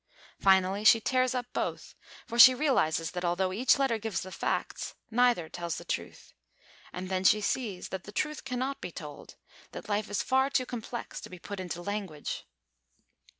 Finally she tears both up, for she realises that although each letter gives the facts, neither tells the truth. And then she sees that the truth cannot be told; that life is far too complex to be put into language.